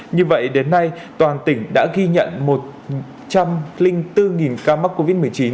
như vậy đến nay toàn tỉnh đã ghi nhận một trăm linh bốn ca mắc covid một mươi chín